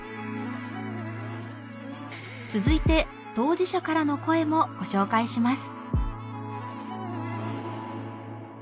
続いて当事者からの声もご紹介します。